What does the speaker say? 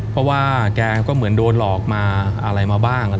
เพราะว่าแกก็เหมือนโดนหลอกมาอะไรมาบ้าง